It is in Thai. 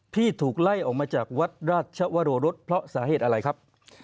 ที่ถูกไล่ออกมาจากวัดราชวโรรุสเพราะสาเหตุอะไรครับ